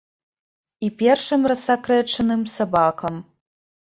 І першым рассакрэчаным сабакам.